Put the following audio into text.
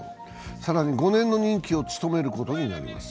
更に５年の任期を務めることになります。